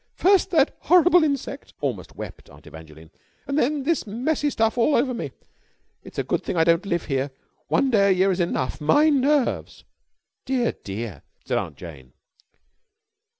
"First that horrible insect," almost wept Aunt Evangeline, "and then this messy stuff all over me. It's a good thing I don't live here. One day a year is enough.... My nerves!..." "Dear, dear!" said Aunt Jane.